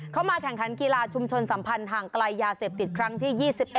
เข้ามาแข่งขันกีฬาชุมชนสัมพันธ์ห่างไกลยาเสพติดครั้งที่๒๑